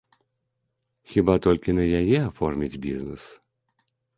Хіба толькі на яе аформіць бізнэс?